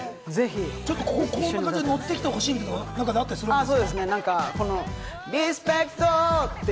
こんな感じで乗ってきてほしいみたいなのあったりしますか？